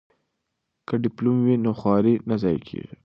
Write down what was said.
که ډیپلوم وي نو خواري نه ضایع کیږي.